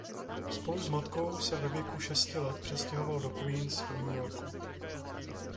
Spolu s matkou se ve věku šesti let přestěhoval do Queens v New Yorku.